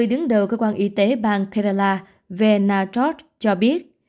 chính đầu cơ quan y tế bang kerala veena trot cho biết